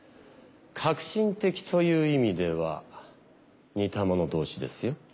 革新的という意味では似たもの同士ですよ